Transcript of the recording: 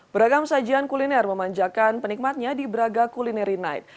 beragam sajian kuliner memanjakan penikmatnya di braga culinary night